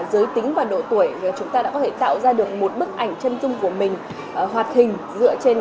giới tính và độ tuổi chúng ta đã có thể tạo ra được một bức ảnh chân dung của mình hoạt hình dựa trên